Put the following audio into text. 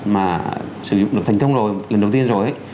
mà sử dụng được thành công rồi lần đầu tiên rồi